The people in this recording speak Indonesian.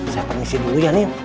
saya permisi dulunya niel